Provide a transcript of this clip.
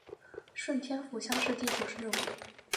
顺天府乡试第九十六名。